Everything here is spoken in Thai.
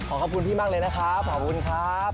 ขอบคุณพี่มากเลยนะครับขอบคุณครับ